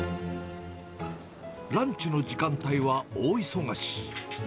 ランチの時間帯は大忙し。